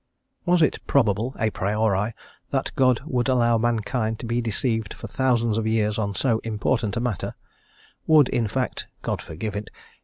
Was it probable, à priori, that God would allow mankind to be deceived for thousands of years on so important a matter; would in fact God forgive it!